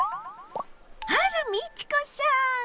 あら美智子さん！